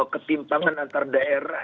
ketimpangan antar daerah